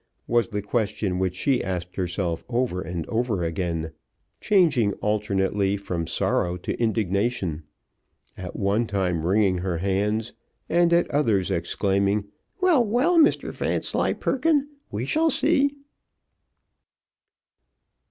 was the question, which she asked herself over and over again, changing alternately from sorrow to indignation: at one time wringing her hands, and at others exclaiming, "Well, well, Mr Vanslyperken, we shall see."